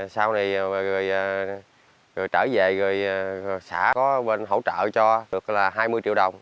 sau này rồi trở về rồi xã có bên hỗ trợ cho được là hai mươi triệu đồng